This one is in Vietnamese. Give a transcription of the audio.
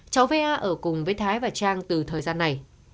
cháu vea ở cùng với thái và trang từ thời gian này